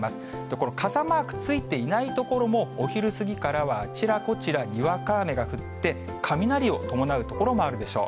この傘マークついていない所も、お昼過ぎからはあちらこちら、にわか雨が降って、雷を伴う所もあるでしょう。